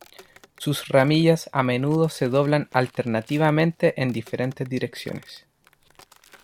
Sus ramillas a menudo se doblan alternativamente en diferentes direcciones.